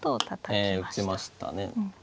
ええ打ちましたね。